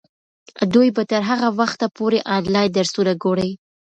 دوی به تر هغه وخته پورې انلاین درسونه ګوري.